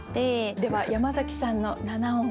では山崎さんの七音は？